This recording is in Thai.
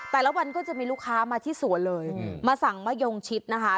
แต่ละวันก็จะมีลูกค้ามาที่สวนเลยมาสั่งมะยงชิดนะคะ